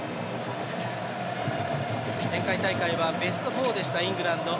前回大会はベスト４でしたイングランド。